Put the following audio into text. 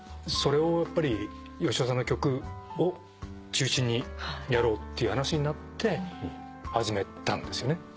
それをやっぱり芳雄さんの曲を中心にやろうっていう話になって始めたんですよね。